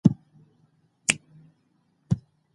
د ریګ دښتې د افغان ځوانانو د هیلو استازیتوب کوي.